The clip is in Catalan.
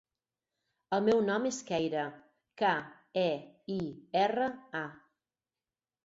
El meu nom és Keira: ca, e, i, erra, a.